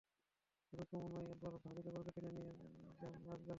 শুধু চুমু নয়, এরপর ভাবি দেবরকে টেনে নিয়ে যান নাচের মঞ্চে।